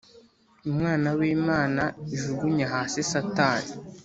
Umwana w Imana ijugunye hasi satani